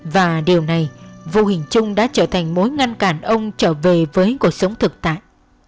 và điều này vô hình chung đã trở thành mối ngăn cản ông trở về với cuộc sống thực tại